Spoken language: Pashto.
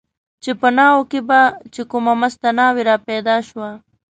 چې په ناوو کې به چې کومه مسته ناوې را پیدا شوه.